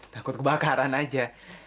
takut kebakaran aja